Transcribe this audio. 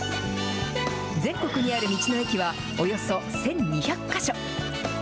全国にある道の駅は、およそ１２００か所。